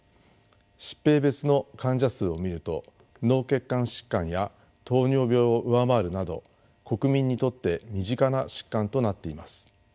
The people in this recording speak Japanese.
疾病別の患者数を見ると脳血管疾患や糖尿病を上回るなど国民にとって身近な疾患となっています。